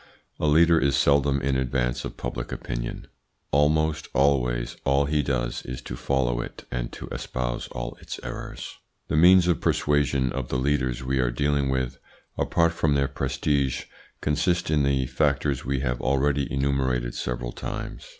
A leader is seldom in advance of public opinion; almost always all he does is to follow it and to espouse all its errors. The means of persuasion of the leaders we are dealing with, apart from their prestige, consist in the factors we have already enumerated several times.